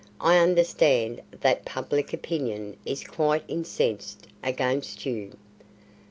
I understand that public opinion is quite incensed against you."